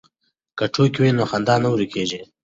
که ټوکې وي نو خندا نه ورکېږي.